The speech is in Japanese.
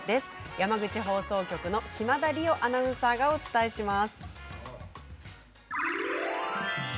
山口放送局の島田莉生アナウンサーがお伝えします。